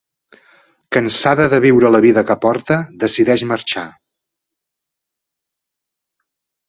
Cansada de viure la vida que porta, decideix marxar.